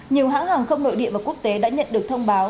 nhiều hãng hàng không nội địa và quốc tế đã nhận được thông báo